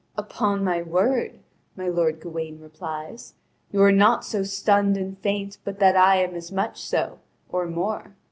"Upon my word," my lord Gawain replies, "you are not so stunned and faint but that I am as much so, or more.